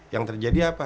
yang terjadi apa